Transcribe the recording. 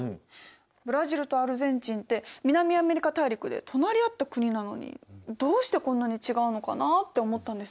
ブラジルとアルゼンチンって南アメリカ大陸で隣り合った国なのにどうしてこんなに違うのかなって思ったんです。